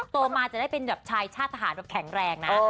โตมาจะได้เป็นเหดียบชายชาติทหารแข็งแรงนะ